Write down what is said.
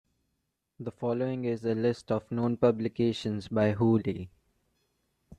The following is a list of known publications by Hooley.